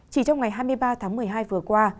chỉ trong ngày hai mươi ba tháng một mươi hai vừa qua